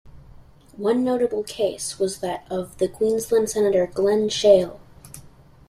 One notable case was that of the Queensland Senator Glen Sheil.